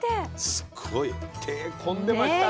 すっごい手込んでましたね。